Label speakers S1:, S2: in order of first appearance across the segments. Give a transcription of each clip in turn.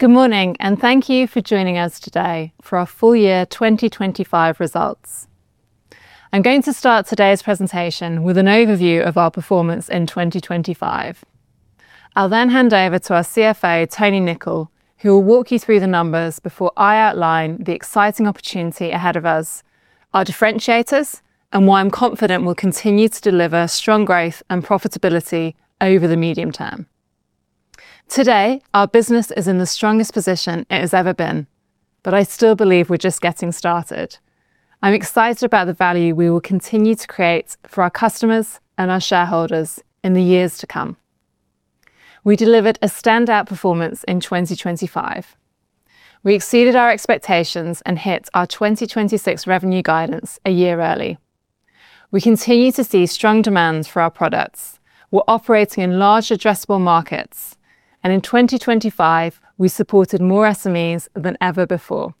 S1: Good morning, and thank you for joining us today for our full year 2025 results. I'm going to start today's presentation with an overview of our performance in 2025. I'll then hand over to our CFO, Tony Nicol, who will walk you through the numbers before I outline the exciting opportunity ahead of us, our differentiators, and why I'm confident we'll continue to deliver strong growth and profitability over the medium term. Today, our business is in the strongest position it has ever been, but I still believe we're just getting started. I'm excited about the value we will continue to create for our customers and our shareholders in the years to come. We delivered a standout performance in 2025. We exceeded our expectations and hit our 2026 revenue guidance a year early. We continue to see strong demand for our products. We're operating in large addressable markets. In 2025, we supported more SMEs than ever before.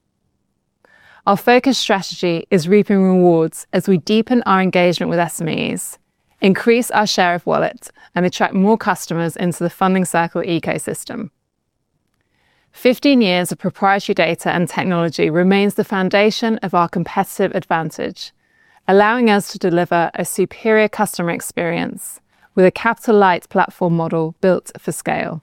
S1: Our focused strategy is reaping rewards as we deepen our engagement with SMEs, increase our share of wallet, and attract more customers into the Funding Circle ecosystem. 15 years of proprietary data and technology remains the foundation of our competitive advantage, allowing us to deliver a superior customer experience with a capital-light platform model built for scale.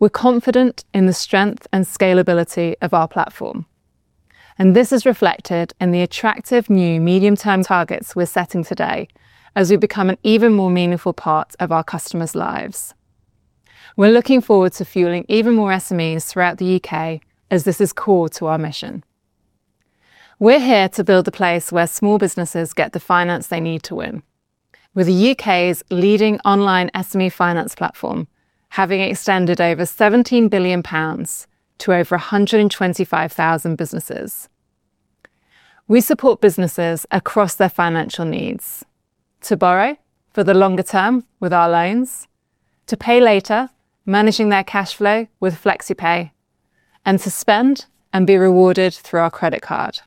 S1: We're confident in the strength and scalability of our platform. This is reflected in the attractive new medium-term targets we're setting today as we become an even more meaningful part of our customers' lives. We're looking forward to fueling even more SMEs throughout the U.K., as this is core to our mission. We're here to build a place where small businesses get the finance they need to win. We're the U.K.'s leading online SME finance platform, having extended over 17 billion pounds to over 125,000 businesses. We support businesses across their financial needs to borrow for the longer term with our loans, to pay later, managing their cash flow with FlexiPay, and to spend and be rewarded through our credit card.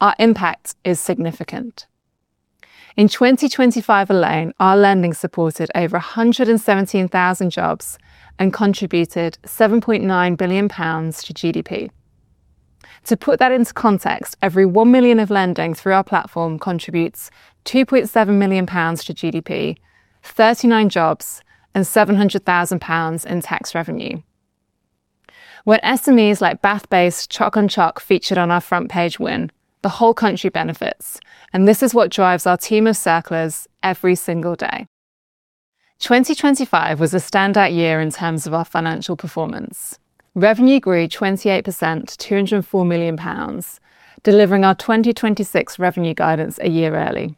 S1: Our impact is significant. In 2025 alone, our lending supported over 117,000 jobs and contributed 7.9 billion pounds to GDP. To put that into context, every 1 million of lending through our platform contributes 2.7 million pounds to GDP, 39 jobs, and 700,000 pounds in tax revenue. When SMEs like Bath-based Choc on Choc featured on our front page win, the whole country benefits. This is what drives our team of Circlers every single day. 2025 was a standout year in terms of our financial performance. Revenue grew 28% to 204 million pounds, delivering our 2026 revenue guidance a year early.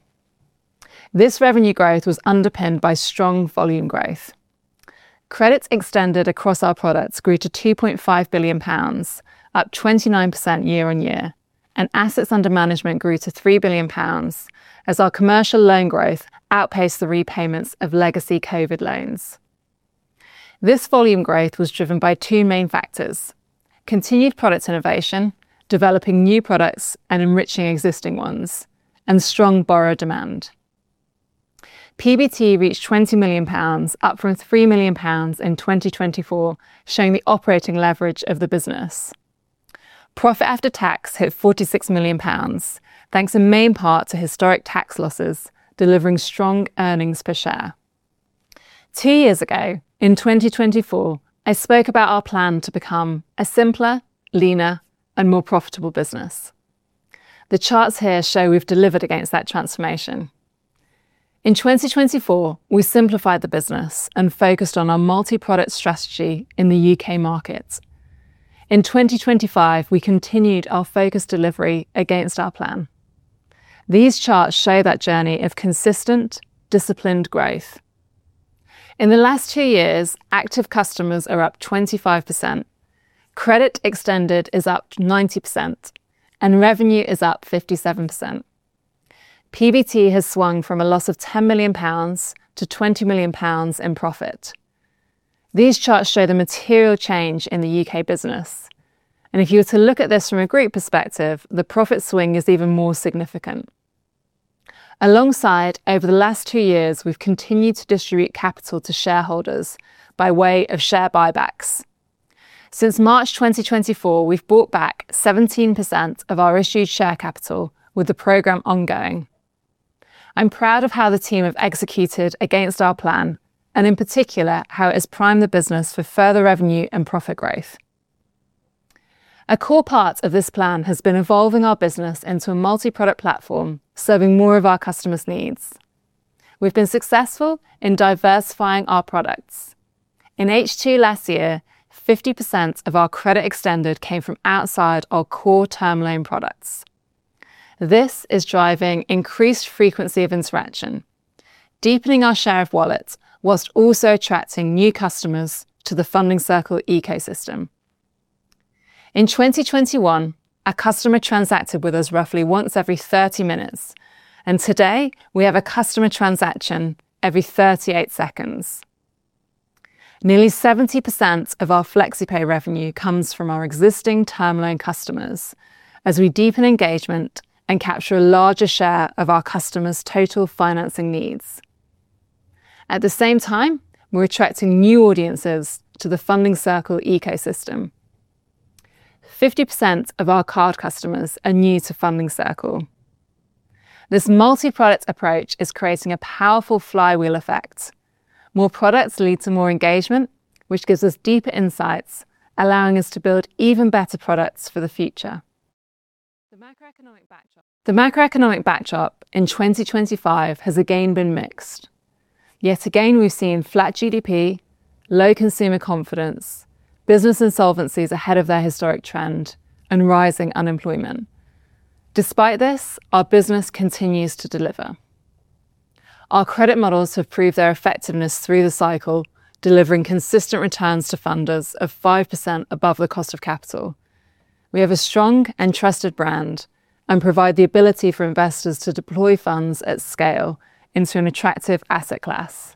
S1: This revenue growth was underpinned by strong volume growth. Credits extended across our products grew to 2.5 billion pounds, up 29% year-on-year. Assets under management grew to 3 billion pounds as our commercial loan growth outpaced the repayments of legacy COVID loans. This volume growth was driven by two main factors. Continued product innovation, developing new products and enriching existing ones, and strong borrower demand. PBT reached 20 million pounds up from 3 million pounds in 2024, showing the operating leverage of the business. Profit after tax hit 46 million pounds, thanks in main part to historic tax losses, delivering strong earnings per share. Two years ago, in 2024, I spoke about our plan to become a simpler, leaner, and more profitable business. The charts here show we've delivered against that transformation. In 2024, we simplified the business and focused on our multi-product strategy in the U.K. market. In 2025, we continued our focused delivery against our plan. These charts show that journey of consistent, disciplined growth. In the last two years, active customers are up 25%. Credit extended is up 90%, and revenue is up 57%. PBT has swung from a loss of 10 million pounds to 20 million pounds in profit. These charts show the material change in the U.K. Business. If you were to look at this from a group perspective, the profit swing is even more significant. Over the last two years, we've continued to distribute capital to shareholders by way of share buybacks. Since March 2024, we've bought back 17% of our issued share capital, with the program ongoing. I'm proud of how the team have executed against our plan and, in particular, how it has primed the business for further revenue and profit growth. A core part of this plan has been evolving our business into a multi-product platform, serving more of our customers' needs. We've been successful in diversifying our products. In H2 last year, 50% of our credit extended came from outside our core term loan products. This is driving increased frequency of interaction, deepening our share of wallet, while also attracting new customers to the Funding Circle ecosystem. In 2021, a customer transacted with us roughly once every 30 minutes. Today, we have a customer transaction every 38 seconds. Nearly 70% of our FlexiPay revenue comes from our existing term loan customers as we deepen engagement and capture a larger share of our customers' total financing needs. At the same time, we're attracting new audiences to the Funding Circle ecosystem. 50% of our card customers are new to Funding Circle. This multi-product approach is creating a powerful flywheel effect. More products lead to more engagement, which gives us deeper insights, allowing us to build even better products for the future. The macroeconomic backdrop in 2025 has again been mixed. Yet again, we've seen flat GDP, low consumer confidence, business insolvencies ahead of their historic trend, and rising unemployment. Despite this, our business continues to deliver. Our credit models have proved their effectiveness through the cycle, delivering consistent returns to funders of 5% above the cost of capital. We have a strong and trusted brand and provide the ability for investors to deploy funds at scale into an attractive asset class.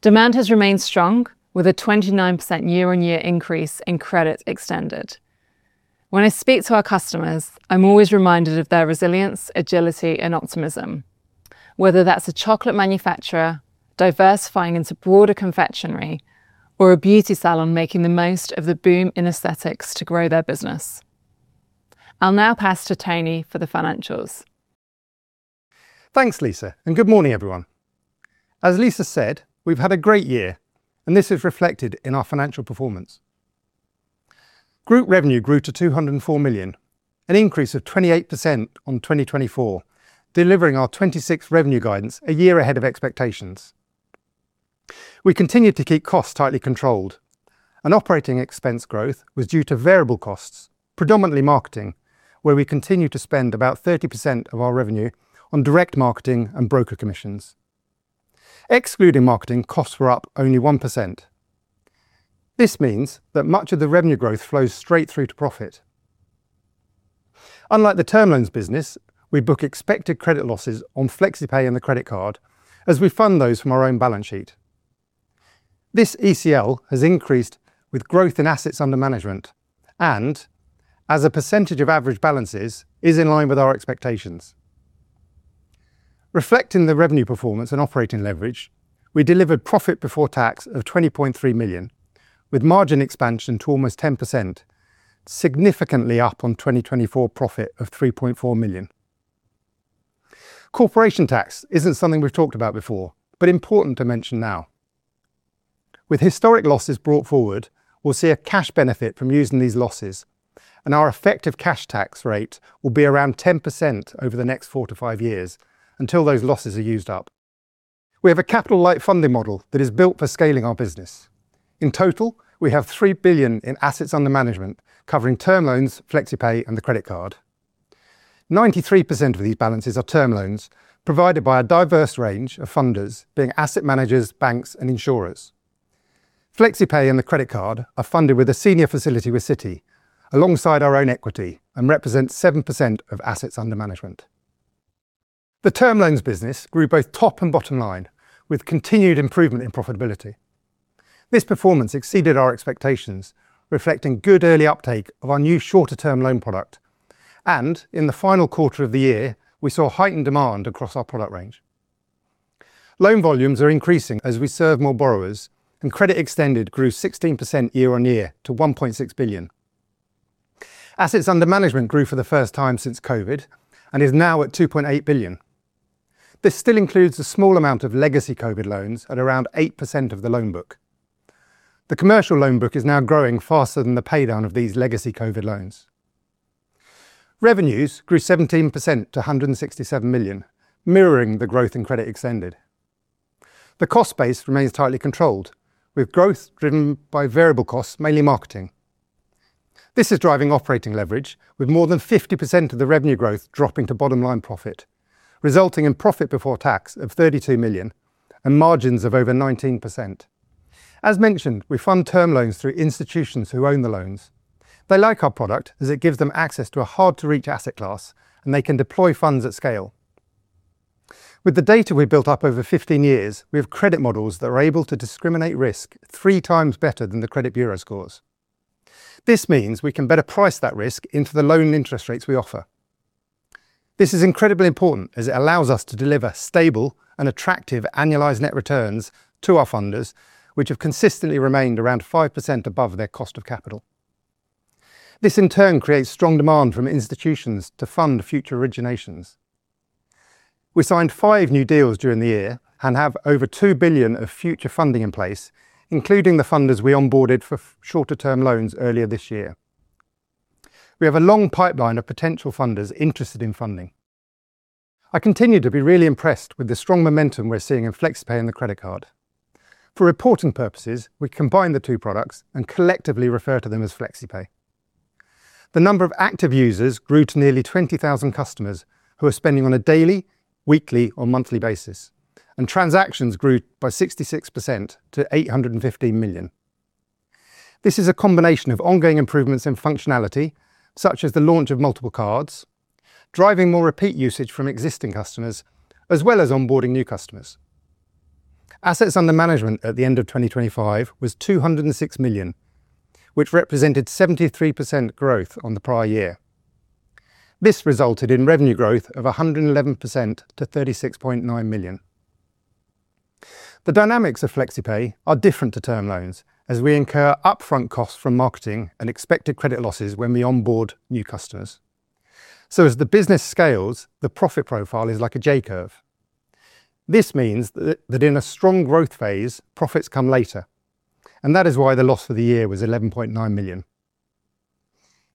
S1: Demand has remained strong with a 29% year-on-year increase in credit extended. When I speak to our customers, I'm always reminded of their resilience, agility, and optimism. Whether that's a chocolate manufacturer diversifying into broader confectionery or a beauty salon making the most of the boom in aesthetics to grow their business. I'll now pass to Tony for the financials.
S2: Thanks, Lisa, and good morning, everyone. As Lisa said, we've had a great year, and this is reflected in our financial performance. Group revenue grew to 204 million, an increase of 28% on 2024, delivering our 2026 revenue guidance a year ahead of expectations. We continued to keep costs tightly controlled. An operating expense growth was due to variable costs, predominantly marketing, where we continue to spend about 30% of our revenue on direct marketing and broker commissions. Excluding marketing, costs were up only 1%. This means that much of the revenue growth flows straight through to profit. Unlike the term loans business, we book expected credit losses on FlexiPay and the credit card as we fund those from our own balance sheet. This ECL has increased with growth in assets under management and as a percentage of average balances is in line with our expectations. Reflecting the revenue performance and operating leverage, we delivered profit before tax of 20.3 million, with margin expansion to almost 10%, significantly up on 2024 profit of 3.4 million. Corporation tax isn't something we've talked about before, but important to mention now. With historic losses brought forward, we'll see a cash benefit from using these losses, and our effective cash tax rate will be around 10% over the next four to five years until those losses are used up. We have a capital-light funding model that is built for scaling our business. In total, we have 3 billion in assets under management covering term loans, FlexiPay, and the credit card. 93% of these balances are term loans provided by a diverse range of funders being asset managers, banks, and insurers. FlexiPay and the credit card are funded with a senior facility with Citi alongside our own equity and represents 7% of assets under management. The term loans business grew both top and bottom line with continued improvement in profitability. This performance exceeded our expectations, reflecting good early uptake of our new shorter-term loan product. In the final quarter of the year, we saw heightened demand across our product range. Loan volumes are increasing as we serve more borrowers, and credit extended grew 16% year-on-year to 1.6 billion. Assets under management grew for the first time since COVID and is now at 2.8 billion. This still includes a small amount of legacy COVID loans at around 8% of the loan book. The commercial loan book is now growing faster than the paydown of these legacy COVID loans. Revenues grew 17% to 167 million, mirroring the growth in credit extended. The cost base remains tightly controlled, with growth driven by variable costs, mainly marketing. This is driving operating leverage with more than 50% of the revenue growth dropping to bottom-line profit, resulting in profit before tax of 32 million and margins of over 19%. As mentioned, we fund term loans through institutions who own the loans. They like our product as it gives them access to a hard-to-reach asset class, they can deploy funds at scale. With the data we've built up over 15 years, we have credit models that are able to discriminate risk 3x better than the credit bureau scores. This means we can better price that risk into the loan interest rates we offer. This is incredibly important as it allows us to deliver stable and attractive annualized net returns to our funders, which have consistently remained around 5% above their cost of capital. This in turn creates strong demand from institutions to fund future originations. We signed five new deals during the year and have over 2 billion of future funding in place, including the funders we onboarded for shorter-term loans earlier this year. We have a long pipeline of potential funders interested in funding. I continue to be really impressed with the strong momentum we're seeing in FlexiPay and the credit card. For reporting purposes, we combine the two products and collectively refer to them as FlexiPay. The number of active users grew to nearly 20,000 customers who are spending on a daily, weekly, or monthly basis, and transactions grew by 66% to 850 million. This is a combination of ongoing improvements in functionality, such as the launch of multiple cards, driving more repeat usage from existing customers, as well as onboarding new customers. Assets under management at the end of 2025 was 206 million, which represented 73% growth on the prior year. This resulted in revenue growth of 111% to 36.9 million. The dynamics of FlexiPay are different to term loans as we incur upfront costs from marketing and expected credit losses when we onboard new customers. As the business scales, the profit profile is like a J-curve. This means that in a strong growth phase, profits come later and that is why the loss for the year was 11.9 million.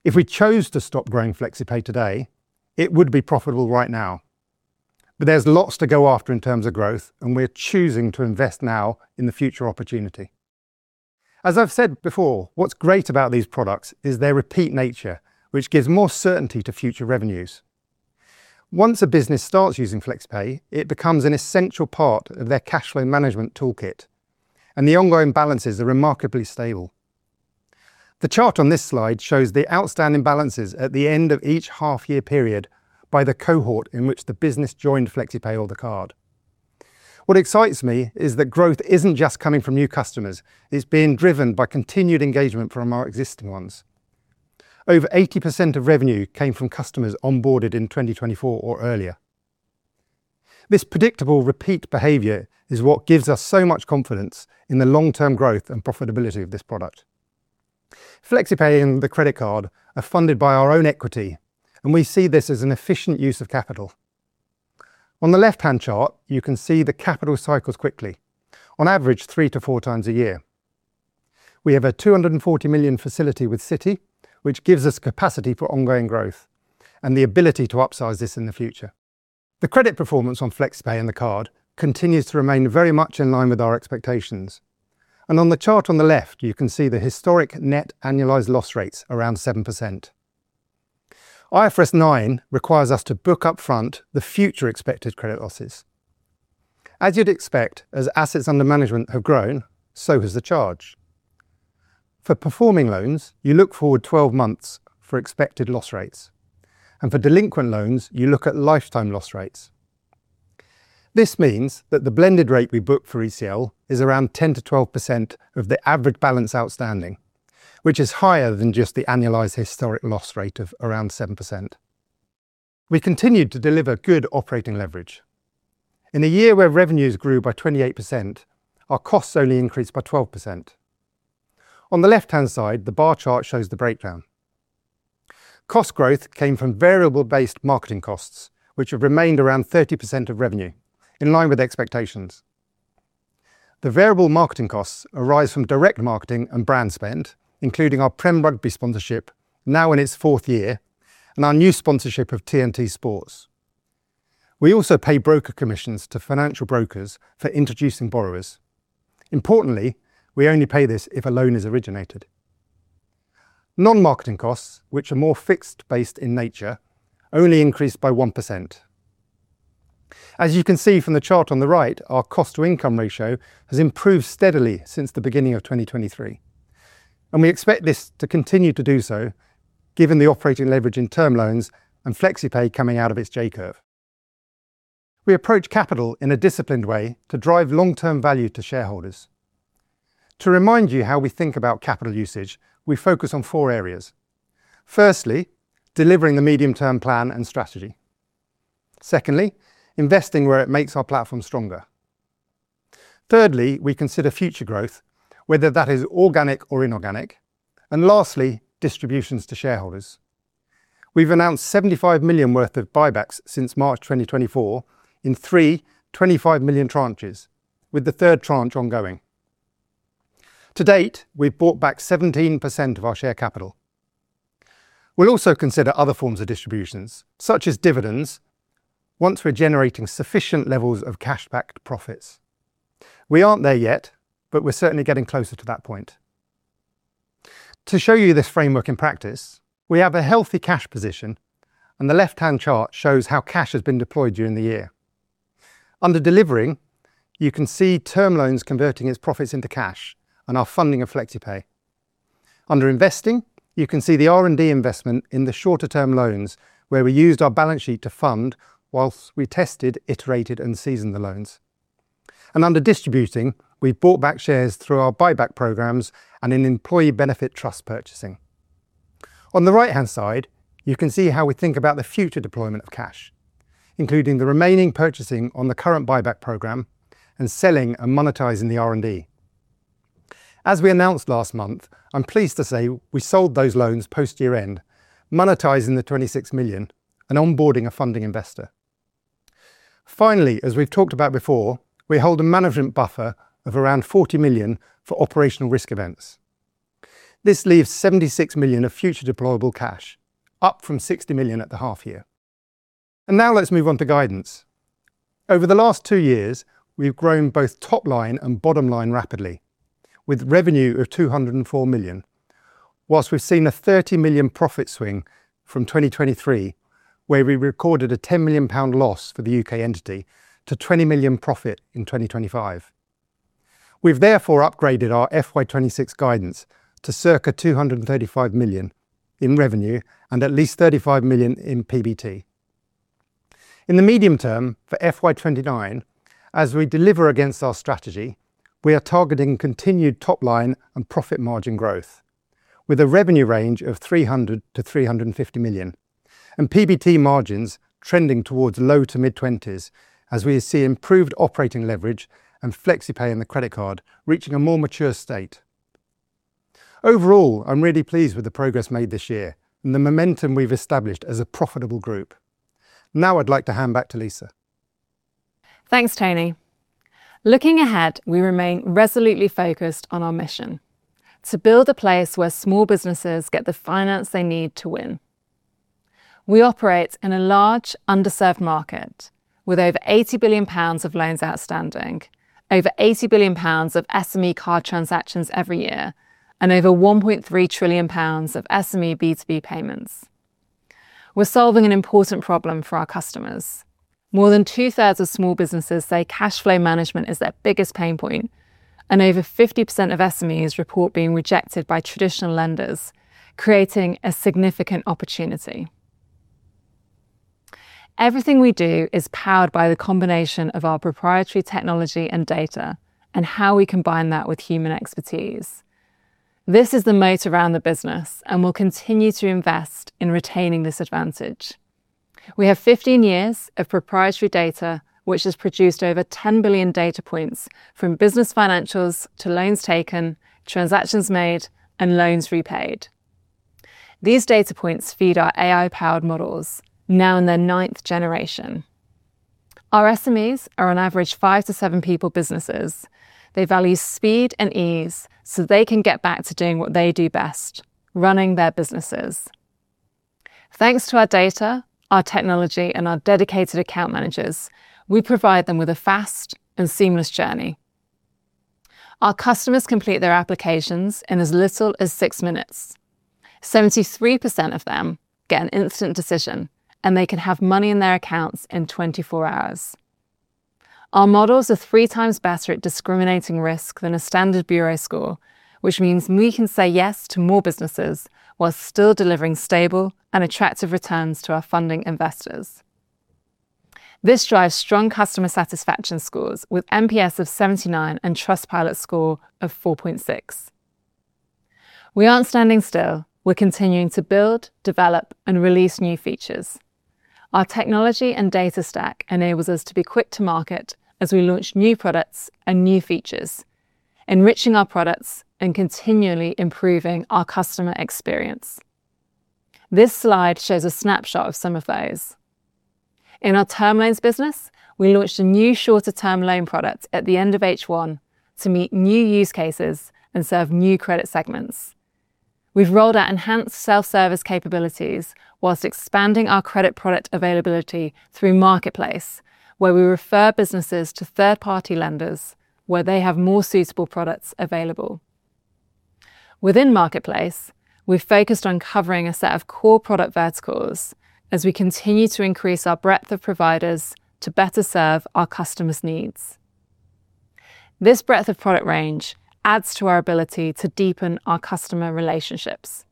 S2: If we chose to stop growing FlexiPay today, it would be profitable right now. There's lots to go after in terms of growth, and we're choosing to invest now in the future opportunity. As I've said before, what's great about these products is their repeat nature, which gives more certainty to future revenues. Once a business starts using FlexiPay, it becomes an essential part of their cash flow management toolkit, and the ongoing balances are remarkably stable. The chart on this slide shows the outstanding balances at the end of each half year period by the cohort in which the business joined FlexiPay or the card. What excites me is that growth isn't just coming from new customers, it's being driven by continued engagement from our existing ones. Over 80% of revenue came from customers onboarded in 2024 or earlier. This predictable repeat behavior is what gives us so much confidence in the long-term growth and profitability of this product. FlexiPay and the credit card are funded by our own equity, and we see this as an efficient use of capital. On the left-hand chart, you can see the capital cycles quickly, on average 3x-4x a year. We have a 240 million facility with Citi, which gives us capacity for ongoing growth and the ability to upsize this in the future. The credit performance on FlexiPay and the card continues to remain very much in line with our expectations. On the chart on the left, you can see the historic net annualized loss rates around 7%. IFRS 9 requires us to book upfront the future expected credit losses. As you'd expect, as assets under management have grown, so has the charge. For performing loans, you look forward 12 months for expected loss rates. For delinquent loans, you look at lifetime loss rates. This means that the blended rate we book for ECL is around 10%-12% of the average balance outstanding, which is higher than just the annualized historic loss rate of around 7%. We continued to deliver good operating leverage. In a year where revenues grew by 28%, our costs only increased by 12%. On the left-hand side, the bar chart shows the breakdown. Cost growth came from variable-based marketing costs, which have remained around 30% of revenue in line with expectations. The variable marketing costs arise from direct marketing and brand spend, including our Premiership Rugby sponsorship, now in its fourth year, and our new sponsorship of TNT Sports. We also pay broker commissions to financial brokers for introducing borrowers. Importantly, we only pay this if a loan is originated. Non-marketing costs, which are more fixed based in nature, only increased by 1%. As you can see from the chart on the right, our cost to income ratio has improved steadily since the beginning of 2023, and we expect this to continue to do so given the operating leverage in term loans and FlexiPay coming out of its J-curve. We approach capital in a disciplined way to drive long-term value to shareholders. To remind you how we think about capital usage, we focus on four areas. Firstly, delivering the medium-term plan and strategy. Secondly, investing where it makes our platform stronger. Thirdly, we consider future growth, whether that is organic or inorganic. Lastly, distributions to shareholders. We've announced 75 million worth of buybacks since March 2024 in three 25 million tranches, with the third tranche ongoing. To-date, we've bought back 17% of our share capital. We'll also consider other forms of distributions, such as dividends, once we're generating sufficient levels of cash-backed profits. We aren't there yet, but we're certainly getting closer to that point. To show you this framework in practice, we have a healthy cash position. The left-hand chart shows how cash has been deployed during the year. Under delivering, you can see term loans converting its profits into cash and our funding of FlexiPay. Under investing, you can see the R&D investment in the shorter-term loans where we used our balance sheet to fund while we tested, iterated, and seasoned the loans. Under distributing, we've bought back shares through our buyback programs and in employee benefit trust purchasing. On the right-hand side, you can see how we think about the future deployment of cash, including the remaining purchasing on the current buyback program and selling and monetizing the R&D. As we announced last month, I'm pleased to say we sold those loans post-year end, monetizing the 26 million and onboarding a funding investor. As we've talked about before, we hold a management buffer of around 40 million for operational risk events. This leaves 76 million of future deployable cash, up from 60 million at the half year. Now let's move on to guidance. Over the last two years, we've grown both top line and bottom line rapidly with revenue of 204 million. Whilst we've seen a 30 million profit swing from 2023, where we recorded a 10 million pound loss for the U.K. entity to 20 million profit in 2025. We've therefore upgraded our FY 2026 guidance to circa 235 million in revenue and at least 35 million in PBT. In the medium term for FY 2029, as we deliver against our strategy, we are targeting continued top line and profit margin growth with a revenue range of 300 million-350 million and PBT margins trending towards low to mid-20s as we see improved operating leverage and FlexiPay and the credit card reaching a more mature state. Overall, I'm really pleased with the progress made this year and the momentum we've established as a profitable group. Now I'd like to hand back to Lisa.
S1: Thanks, Tony. Looking ahead, we remain resolutely focused on our mission: to build a place where small businesses get the finance they need to win. We operate in a large underserved market with over 80 billion pounds of loans outstanding, over 80 billion pounds of SME card transactions every year, and over 1.3 trillion pounds of SME B2B payments. We're solving an important problem for our customers. More than two-thirds of small businesses say cash flow management is their biggest pain point, and over 50% of SMEs report being rejected by traditional lenders, creating a significant opportunity. Everything we do is powered by the combination of our proprietary technology and data and how we combine that with human expertise. This is the moat around the business and we'll continue to invest in retaining this advantage. We have 15 years of proprietary data, which has produced over 10 billion data points from business financials to loans taken, transactions made, and loans repaid. These data points feed our AI-powered models now in their ninth generation. Our SMEs are on average five to seven people businesses. They value speed and ease, so they can get back to doing what they do best, running their businesses. Thanks to our data, our technology, and our dedicated account managers, we provide them with a fast and seamless journey. Our customers complete their applications in as little as 6 minutes. 73% of them get an instant decision, and they can have money in their accounts in 24 hours. Our models are three times better at discriminating risk than a standard bureau score, which means we can say yes to more businesses while still delivering stable and attractive returns to our funding investors. This drives strong customer satisfaction scores with NPS of 79 and Trustpilot score of 4.6. We aren't standing still. We're continuing to build, develop, and release new features. Our technology and data stack enables us to be quick to market as we launch new products and new features, enriching our products and continually improving our customer experience. This slide shows a snapshot of some of those. In our term loans business, we launched a new shorter term loan product at the end of H1 to meet new use cases and serve new credit segments. We've rolled out enhanced self-service capabilities whilst expanding our credit product availability through Marketplace, where we refer businesses to third-party lenders where they have more suitable products available. Within Marketplace, we've focused on covering a set of core product verticals as we continue to increase our breadth of providers to better serve our customers' needs. This breadth of product range adds to our ability to deepen our customer relationships.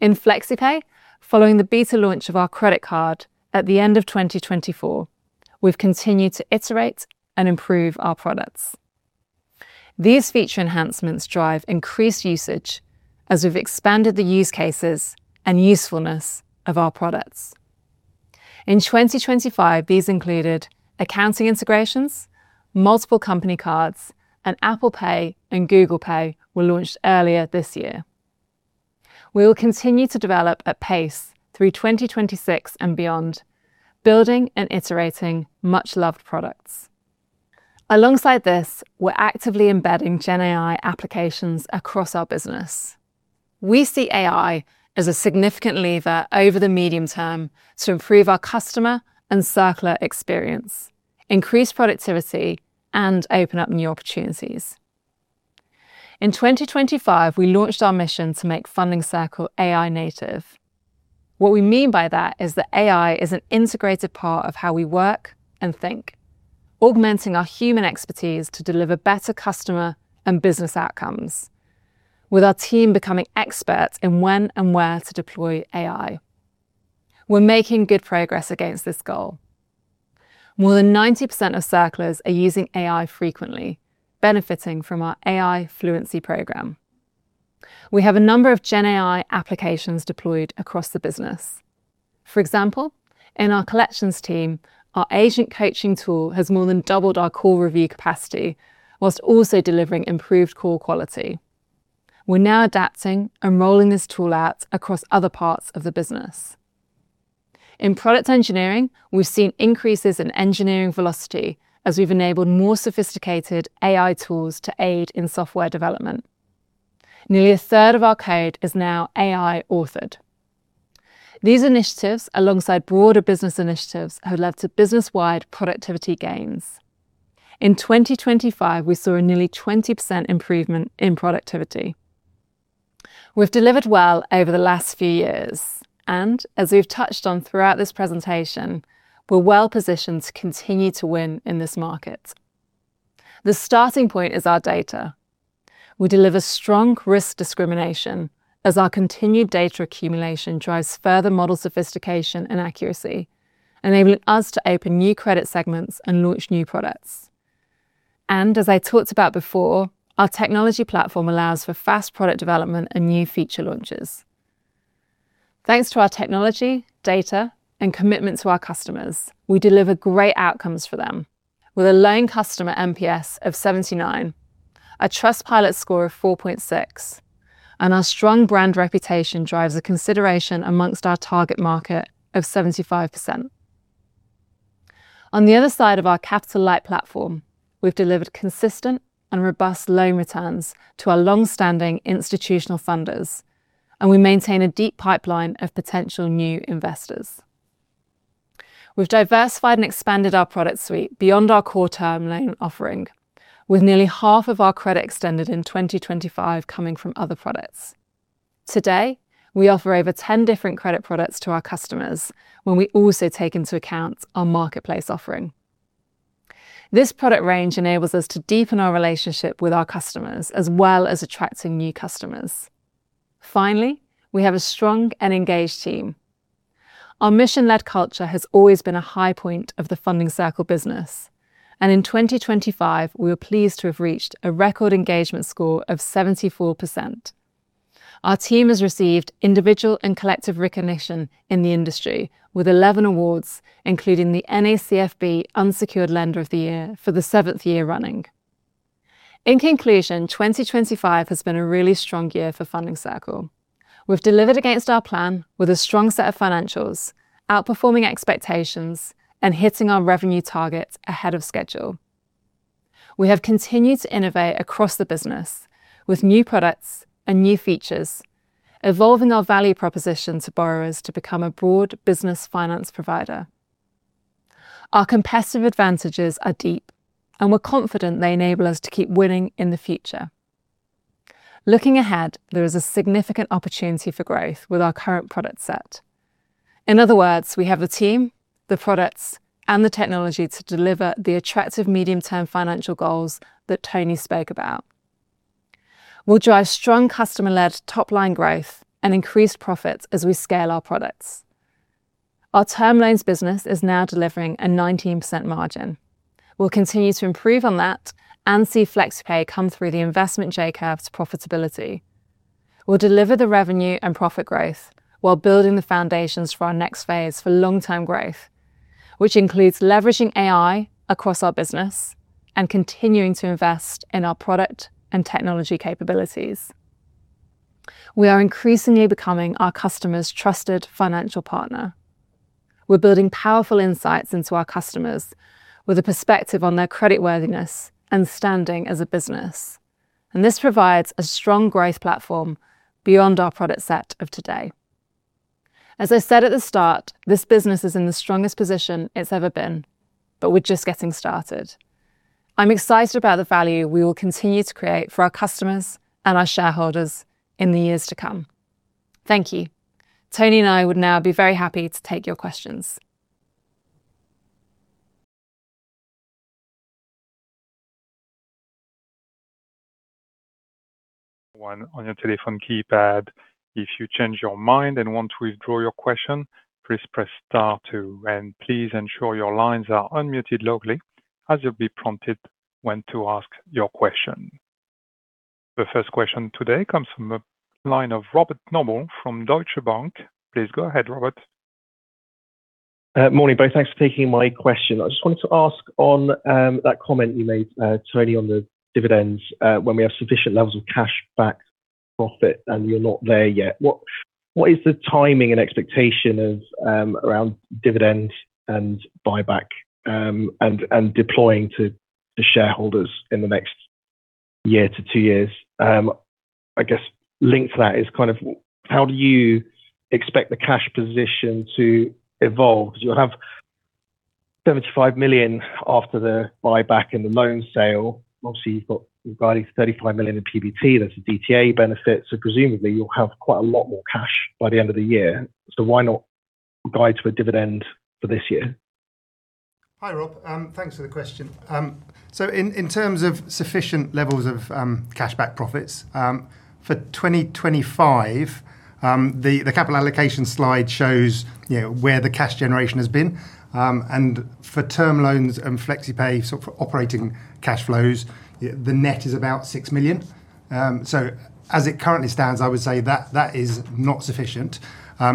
S1: In FlexiPay, following the beta launch of our credit card at the end of 2024, we've continued to iterate and improve our products. These feature enhancements drive increased usage as we've expanded the use cases and usefulness of our products. In 2025, these included accounting integrations, multiple company cards, and Apple Pay and Google Pay were launched earlier this year. We will continue to develop at pace through 2026 and beyond, building and iterating much-loved products. Alongside this, we're actively embedding GenAI applications across our business. We see AI as a significant lever over the medium term to improve our customer and Circlers experience, increase productivity, and open up new opportunities. In 2025, we launched our mission to make Funding Circle AI native. What we mean by that is that AI is an integrated part of how we work and think, augmenting our human expertise to deliver better customer and business outcomes. With our team becoming experts in when and where to deploy AI, we're making good progress against this goal. More than 90% of Circlers are using AI frequently, benefiting from our AI fluency program. We have a number of GenAI applications deployed across the business. For example, in our collections team, our agent coaching tool has more than doubled our call review capacity whilst also delivering improved call quality. We're now adapting and rolling this tool out across other parts of the business. In product engineering, we've seen increases in engineering velocity as we've enabled more sophisticated AI tools to aid in software development. Nearly a third of our code is now AI authored. These initiatives, alongside broader business initiatives, have led to business-wide productivity gains. In 2025, we saw a nearly 20% improvement in productivity. We've delivered well over the last few years. As we've touched on throughout this presentation, we're well positioned to continue to win in this market. The starting point is our data. We deliver strong risk discrimination as our continued data accumulation drives further model sophistication and accuracy, enabling us to open new credit segments and launch new products. As I talked about before, our technology platform allows for fast product development and new feature launches. Thanks to our technology, data and commitment to our customers, we deliver great outcomes for them with a loan customer NPS of 79, a Trustpilot score of 4.6, and our strong brand reputation drives a consideration amongst our target market of 75%. On the other side of our capital light platform, we've delivered consistent and robust loan returns to our long-standing institutional funders. We maintain a deep pipeline of potential new investors. We've diversified and expanded our product suite beyond our core term loan offering. With nearly half of our credit extended in 2025 coming from other products. Today, we offer over 10 different credit products to our customers when we also take into account our Marketplace offering. This product range enables us to deepen our relationship with our customers as well as attracting new customers. Finally, we have a strong and engaged team. Our mission-led culture has always been a high point of the Funding Circle business, and in 2025 we were pleased to have reached a record engagement score of 74%. Our team has received individual and collective recognition in the industry with 11 awards, including the NACFB Unsecured Lender of the Year for the seventh year running. In conclusion, 2025 has been a really strong year for Funding Circle. We've delivered against our plan with a strong set of financials, outperforming expectations and hitting our revenue targets ahead of schedule. We have continued to innovate across the business with new products and new features, evolving our value proposition to borrowers to become a broad business finance provider. Our competitive advantages are deep, and we're confident they enable us to keep winning in the future. Looking ahead, there is a significant opportunity for growth with our current product set. In other words, we have the team, the products, and the technology to deliver the attractive medium-term financial goals that Tony spoke about. We'll drive strong customer-led top-line growth and increased profits as we scale our products. Our term loans business is now delivering a 19% margin. We'll continue to improve on that and see FlexiPay come through the investment J-curve to profitability. We'll deliver the revenue and profit growth while building the foundations for our next phase for long-term growth, which includes leveraging AI across our business and continuing to invest in our product and technology capabilities. We are increasingly becoming our customers' trusted financial partner. We're building powerful insights into our customers with a perspective on their creditworthiness and standing as a business. This provides a strong growth platform beyond our product set of today. As I said at the start, this business is in the strongest position it's ever been. We're just getting started. I'm excited about the value we will continue to create for our customers and our shareholders in the years to come. Thank you. Tony and I would now be very happy to take your questions.
S3: One on your telephone keypad. If you change your mind and want to withdraw your question, please press star two. Please ensure your lines are unmuted locally as you'll be prompted when to ask your question. The first question today comes from the line of Robert Noble from Deutsche Bank. Please go ahead, Robert.
S4: Morning, both. Thanks for taking my question. I just wanted to ask on that comment you made, Tony, on the dividends, when we have sufficient levels of cash back profit, and you're not there yet. What is the timing and expectation of around dividend and buyback and deploying to shareholders in the next year to two years? I guess linked to that is kind of how do you expect the cash position to evolve? 'Cause you'll have 75 million after the buyback and the loan sale. Obviously, you've got roughly 35 million in PBT. There's a DTA benefit, so presumably you'll have quite a lot more cash by the end of the year. Why not guide for a dividend for this year?
S2: Hi, Rob. Thanks for the question. In terms of sufficient levels of cash back profits, for 2025, the capital allocation slide shows, you know, where the cash generation has been. For term loans and FlexiPay, so for operating cash flows, the net is about 6 million. As it currently stands, I would say that is not sufficient.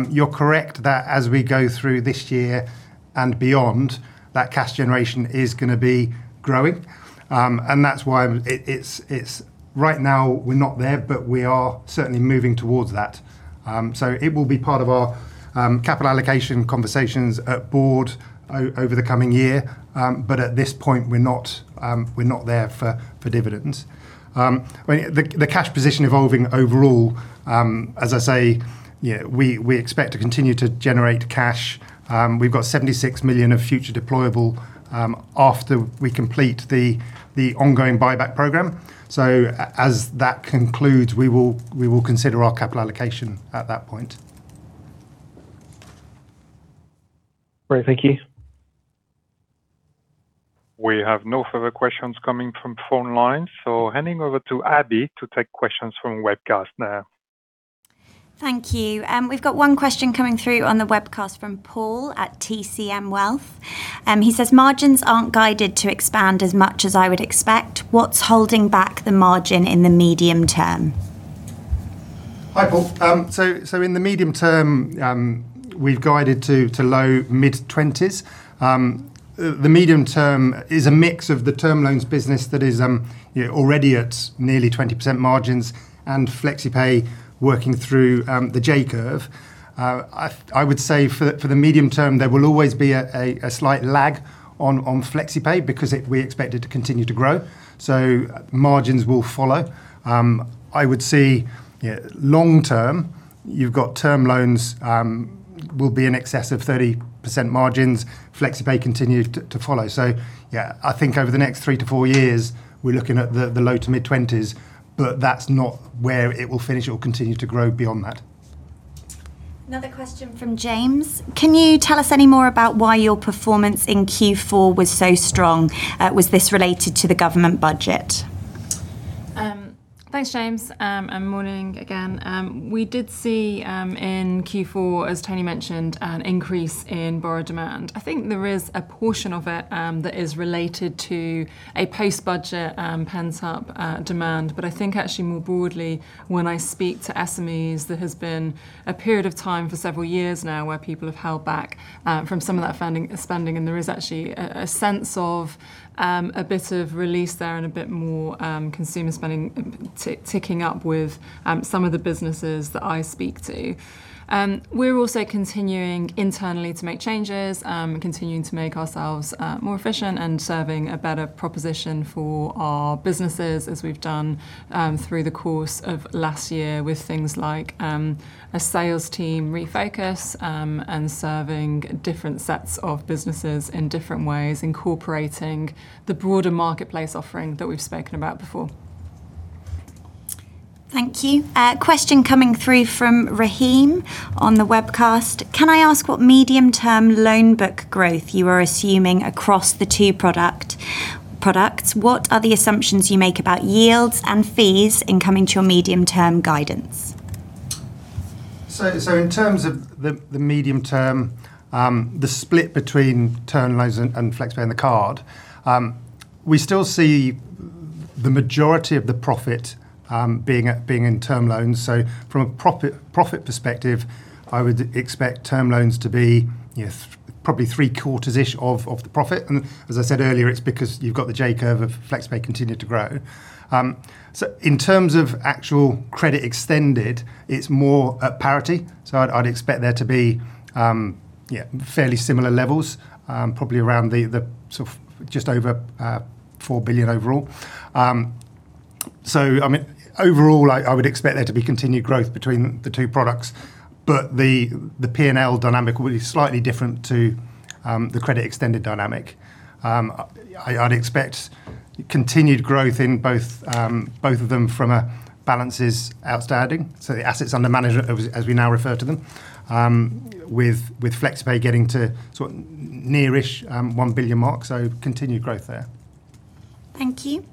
S2: You're correct that as we go through this year and beyond, that cash generation is gonna be growing. That's why it's right now we're not there, but we are certainly moving towards that. It will be part of our capital allocation conversations at board over the coming year. At this point we're not, we're not there for dividends. I mean, the cash position evolving overall, as I say, you know, we expect to continue to generate cash. We've got 76 million of future deployable, after we complete the ongoing buyback program. As that concludes, we will consider our capital allocation at that point.
S4: Great. Thank you.
S3: We have no further questions coming from phone lines. Handing over to Abby to take questions from webcast now.
S5: Thank you. We've got one question coming through on the webcast from Paul at TCM Wealth. He says, "Margins aren't guided to expand as much as I would expect. What's holding back the margin in the medium term?
S2: Hi, Paul. so in the medium term, we've guided to low-mid 20s%. The medium term is a mix of the term loans business that is, you know, already at nearly 20% margins and FlexiPay working through the J-curve. I would say for the medium term, there will always be a slight lag on FlexiPay because we expect it to continue to grow, so margins will follow. I would see, you know, long term, you've got term loans, will be in excess of 30% margins, FlexiPay continue to follow. Yeah, I think over the next 3-4 years, we're looking at the low-to-mid 20s%, but that's not where it will finish or continue to grow beyond that.
S5: Another question from James. "Can you tell us any more about why your performance in Q4 was so strong? Was this related to the government budget?
S1: Thanks, James, morning again. We did see in Q4, as Tony mentioned, an increase in borrower demand. I think there is a portion of it that is related to a post-budget, pent-up demand. I think actually more broadly when I speak to SMEs, there has been a period of time for several years now where people have held back from some of that funding, spending, and there is actually a sense of a bit of release there and a bit more consumer spending ticking up with some of the businesses that I speak to. We're also continuing internally to make changes, continuing to make ourselves more efficient and serving a better proposition for our businesses as we've done through the course of last year with things like a sales team refocus, and serving different sets of businesses in different ways, incorporating the broader Marketplace offering that we've spoken about before.
S5: Thank you. Question coming through from Rahim on the webcast: "Can I ask what medium term loan book growth you are assuming across the two products? What are the assumptions you make about yields and fees in coming to your medium-term guidance?
S2: In terms of the medium term, the split between term loans and FlexiPay and the card, we still see the majority of the profit, being in term loans. From a profit perspective, I would expect term loans to be, you know, probably three quarters-ish of the profit. As I said earlier, it's because you've got the J-curve of FlexiPay continue to grow. In terms of actual credit extended, it's more at parity, I'd expect there to be, yeah, fairly similar levels, probably around the, sort of just over, 4 billion overall. I mean, overall I would expect there to be continued growth between the two products, but the P&L dynamic will be slightly different to, the credit extended dynamic. I'd expect continued growth in both of them from a balances outstanding, so the assets under management as we now refer to them, with FlexiPay getting to sort of near-ish, 1 billion mark, so continued growth there.
S5: Thank you.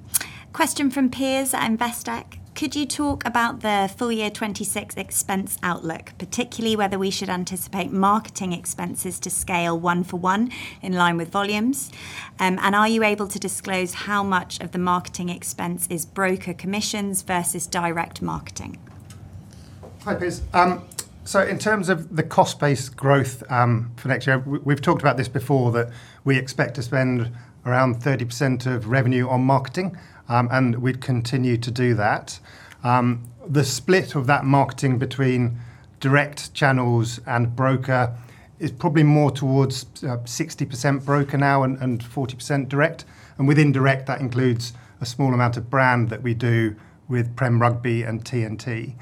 S5: Question from Piers at Investec: "Could you talk about the full year 2026 expense outlook, particularly whether we should anticipate marketing expenses to scale 1 for 1 in line with volumes? Are you able to disclose how much of the marketing expense is broker commissions versus direct marketing?
S2: Hi, Piers. In terms of the cost base growth for next year, we've talked about this before, that we expect to spend around 30% of revenue on marketing, we'd continue to do that. The split of that marketing between direct channels and broker is probably more towards 60% broker now and 40% direct. Within direct, that includes a small amount of brand that we do with Prem Rugby and TNT.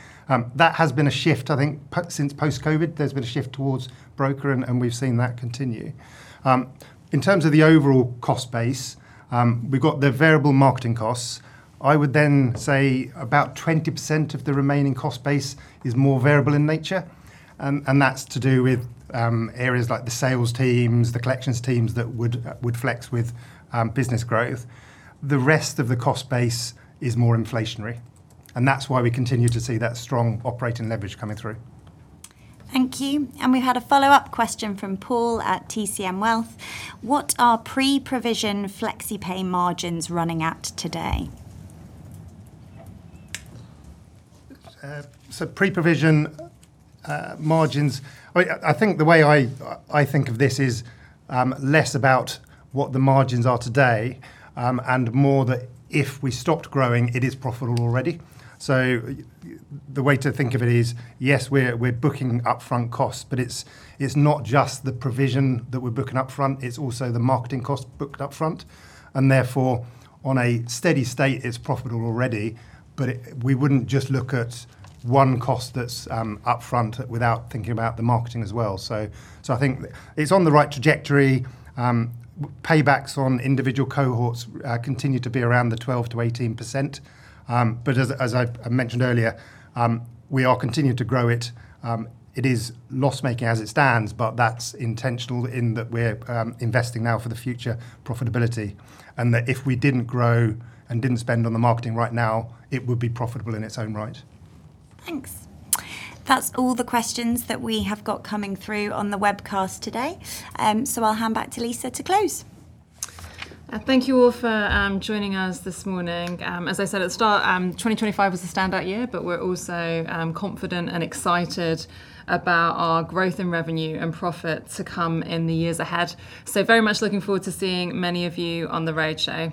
S2: That has been a shift, I think, since post-COVID, there's been a shift towards broker and we've seen that continue. In terms of the overall cost base, we've got the variable marketing costs. I would then say about 20% of the remaining cost base is more variable in nature, and that's to do with areas like the sales teams, the collections teams that would flex with business growth. The rest of the cost base is more inflationary, and that's why we continue to see that strong operating leverage coming through.
S5: Thank you. We've had a follow-up question from Paul at TCM Wealth: "What are pre-provision FlexiPay margins running at today?
S2: Pre-provision margins, I think the way I think of this is less about what the margins are today, and more that if we stopped growing, it is profitable already. The way to think of it is, yes, we're booking upfront costs, but it's not just the provision that we're booking up front, it's also the marketing cost booked up front, and therefore, on a steady state it's profitable already. We wouldn't just look at one cost that's up front without thinking about the marketing as well. I think it's on the right trajectory. Paybacks on individual cohorts continue to be around the 12%-18%. As I mentioned earlier, we are continuing to grow it. It is loss-making as it stands, but that's intentional in that we're investing now for the future profitability, and that if we didn't grow and didn't spend on the marketing right now, it would be profitable in its own right.
S5: Thanks. That's all the questions that we have got coming through on the webcast today. I'll hand back to Lisa to close.
S1: Thank you all for joining us this morning. As I said at the start, 2025 was a standout year, but we're also confident and excited about our growth in revenue and profit to come in the years ahead. Very much looking forward to seeing many of you on the roadshow.